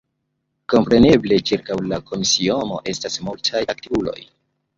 Kompreneble ĉirkaŭ la komisiono estas multaj aktivuloj.